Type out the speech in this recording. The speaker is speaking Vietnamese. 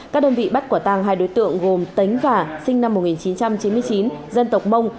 các đơn vị bắt quả tàng hai đối tượng gồm tấn và sinh năm một nghìn chín trăm chín mươi chín dân tộc mông